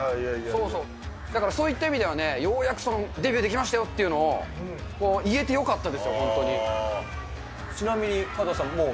だからそういった意味ではね、ようやくデビューできましたよっていうのを言えてよかったですよ、ちなみに加藤さんはもう？